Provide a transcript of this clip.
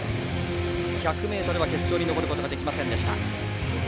１００ｍは決勝に残ることができませんでした。